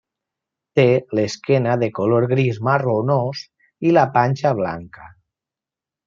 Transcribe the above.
Té l'esquena de color gris marronós i la panxa blanca.